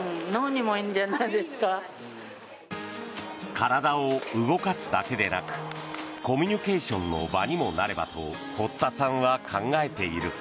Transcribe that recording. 体を動かすだけでなくコミュニケーションの場にもなればと堀田さんは考えている。